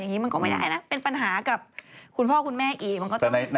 อย่างนี้มันก็ไม่ได้นะ